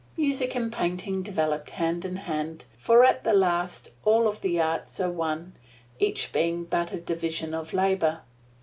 Music and painting developed hand in hand; for at the last, all of the arts are one each being but a division of labor.